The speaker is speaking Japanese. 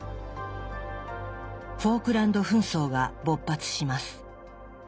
フォークランド紛争が勃発します。